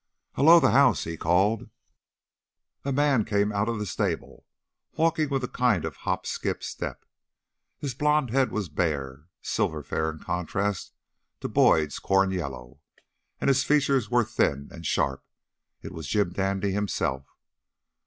"Hullo, the house!" he called. A man came out of the stable, walking with a kind of hop skip step. His blond head was bare, silver fair in contrast to Boyd's corn yellow, and his features were thin and sharp. It was Jim Dandy, himself.